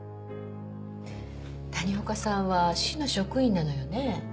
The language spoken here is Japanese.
谷岡さんは市の職員なのよね？